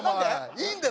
いいんだよ